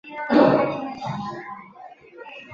台湾台北电影奖最佳编剧获奖影片列表如下。